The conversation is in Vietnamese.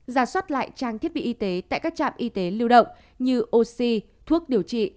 giả soát lại trang thiết bị y tế tại các trạm y tế lưu động như oxy thuốc điều trị